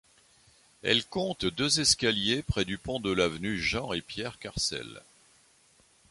Elle compte deux escaliers près du pont de l’avenue Jean et Pierre Carsoel.